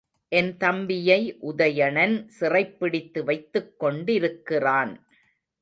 என் தம்பியை உதயணன் சிறைப்பிடித்து வைத்துக்கொண்டிருக்கிறான்.